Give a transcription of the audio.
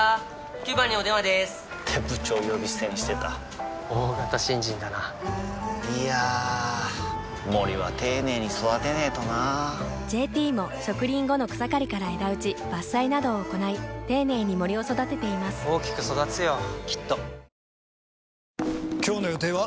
９番にお電話でーす！って部長呼び捨てにしてた大型新人だないやー森は丁寧に育てないとな「ＪＴ」も植林後の草刈りから枝打ち伐採などを行い丁寧に森を育てています大きく育つよきっと今日の予定は？